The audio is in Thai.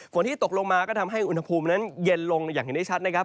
ที่ตกลงมาก็ทำให้อุณหภูมินั้นเย็นลงอย่างเห็นได้ชัดนะครับ